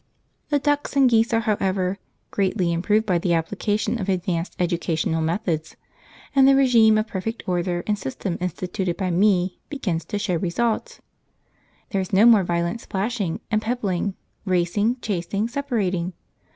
The ducks and geese are, however, greatly improved by the application of advanced educational methods, and the regime of perfect order and system instituted by Me begins to show results. {One can always be a Goose Girl: p53.jpg} There is no more violent splashing and pebbling, racing, chasing, separating.